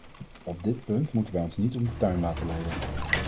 Op dit punt moeten wij ons niet om de tuin laten leiden.